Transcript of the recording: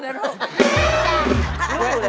มีกลู๊